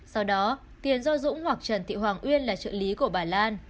sau đó tiền do dũng hoặc trần thị hoàng uyên là trợ lý của bà lan